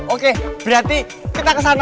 oke berarti kita ke sana